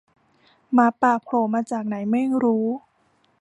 หมาป่าโผล่มาจากไหนไม่รู้